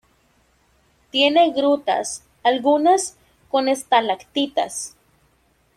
Tiene grutas, algunas con estalactitas.